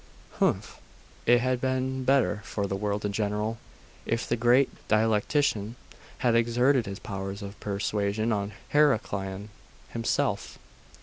'Humph! It had been better for the world in general, if the great dialectician had exerted his powers of persuasion on Heraclian himself.